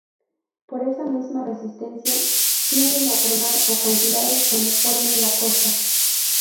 Por esa misma resistencia tienden a formar acantilados cuando forman la costa.